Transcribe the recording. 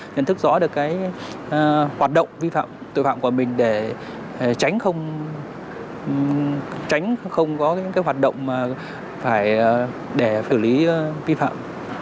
nhận thức rõ được hoạt động vi phạm tội phạm của mình để tránh không có hoạt động để phử lý vi phạm